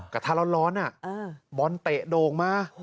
กระทะร้อนบอลเตะโด่งมา